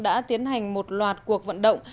đã tiến hành một loạt cuộc vận động